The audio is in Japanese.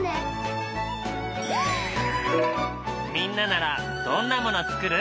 みんなならどんなもの作る？